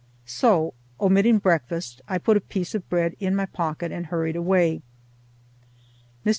So, omitting breakfast, I put a piece of bread in my pocket and hurried away. Mr.